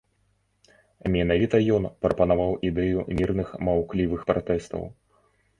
Менавіта ён прапанаваў ідэю мірных маўклівых пратэстаў.